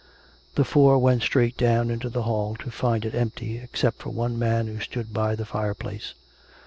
The four went straight down into the hall, to find it empty, except for one man who stood by the fire place.